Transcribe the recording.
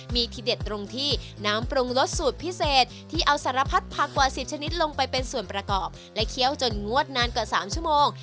มีที่เด็ดตรงที่น้ำปรุงรสสูตรพิเศษที่เอาสารพัดผักกว่า๑๐ชนิดลงไปเป็นส่วนประกอบและเคี้ยวจนงวดนานกว่า๓ชั่วโมง